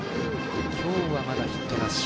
きょうは、まだヒットなし。